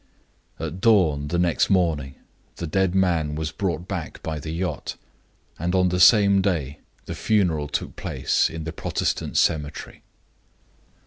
At dawn the next morning the dead man was brought back by the yacht; and on the same day the funeral took place in the Protestant cemetery."